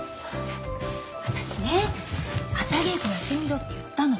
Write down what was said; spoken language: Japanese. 私ね朝稽古やってみろって言ったの。